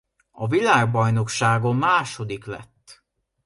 A világbajnokságon második lett.